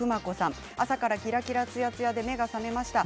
朝からキラキラつやつやで目が覚めました。